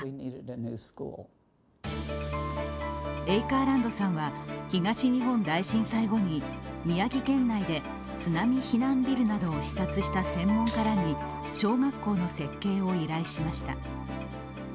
エイカーランドさんは東日本大震災後に宮城県内で津波避難ビルなどを視察した専門家らに小学校の設計を依頼しました。